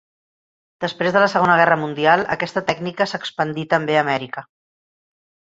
Després de la Segona Guerra Mundial aquesta tècnica s'expandí també a Amèrica.